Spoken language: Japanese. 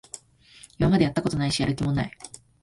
今までやったことないし、やる気もない